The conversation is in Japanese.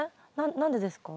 何でですか？